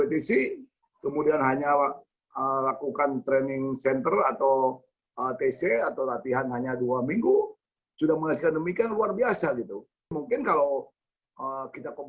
tim tim tim tim